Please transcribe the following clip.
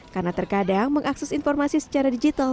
karena terkadang mengakses informasi secara digital